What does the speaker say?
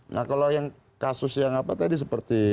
nah kalau yang kasus yang apa tadi seperti